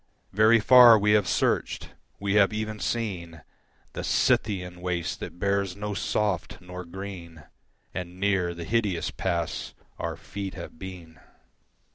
Very far we have searched; we have even seen The Scythian waste that bears no soft nor green, And near the Hideous Pass our feet have been.